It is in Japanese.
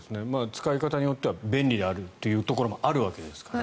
使い方によっては便利であるというところもあるわけですから。